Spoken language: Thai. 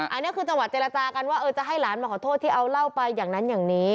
อันนี้คือจังหวัดเจรจากันว่าจะให้หลานมาขอโทษที่เอาเล่าไปอย่างนั้นอย่างนี้